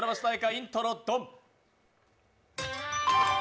イントロ・ドン。